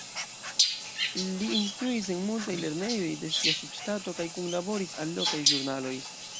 Li instruis en multaj lernejoj de sia subŝtato kaj kunlaboris al lokaj ĵurnaloj.